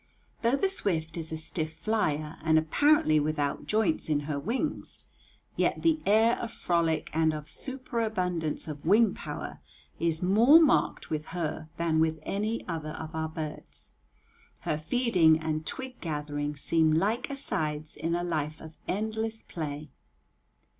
Though the swift is a stiff flyer and apparently without joints in her wings, yet the air of frolic and of superabundance of wing power is more marked with her than with any other of our birds. Her feeding and twig gathering seem like asides in a life of endless play.